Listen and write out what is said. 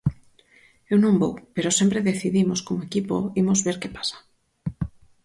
Eu non vou, pero sempre decidimos como equipo imos ver que pasa.